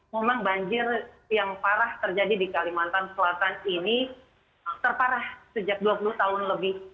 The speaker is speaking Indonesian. memang banjir yang parah terjadi di kalimantan selatan ini terparah sejak dua puluh tahun lebih